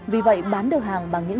vì vậy bán được hàng bằng những